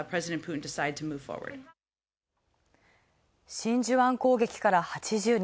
真珠湾攻撃から８０年。